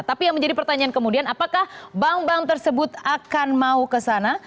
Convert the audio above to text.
tapi yang menjadi pertanyaan kemudian apakah bank bank tersebut akan mau ke sana